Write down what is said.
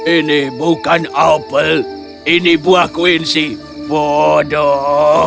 ini bukan apel ini buah quenci bodoh